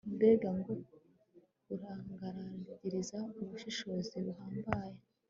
mbega ngo urangaragariza ubushishozi buhambaye